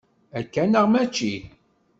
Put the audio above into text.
Akka neɣ mačči?